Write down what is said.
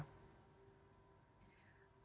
jadi mas roland saya berpikir